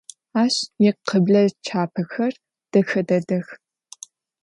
Aş yikhıble çapexer dexe dedex.